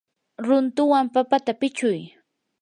runtuwan papata pichuy.